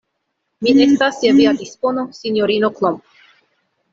Mi estas je via dispono, sinjorino Klomp.